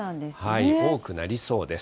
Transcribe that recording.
多くなりそうです。